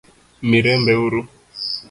Mirembe uru?